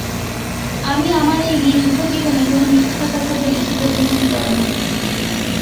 আমি আমার এই দীর্ঘ জীবনে কোনো মিথ্যা কথা বলেছি বলে মনে পড়ে না।